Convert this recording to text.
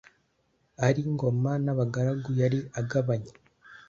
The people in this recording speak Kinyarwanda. ari Ngoma n'abagaragu yari agabanye,